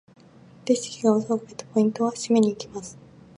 レシキが技をかけた！ポイントは？締めに行きます！